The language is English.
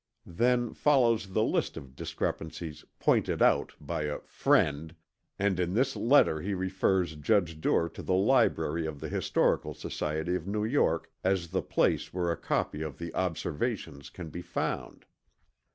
Then follows the list of discrepancies "pointed out" by "a friend"; and in this letter he refers Judge Duer to the library of the Historical Society of New York as the place where a copy of the Observations can be found.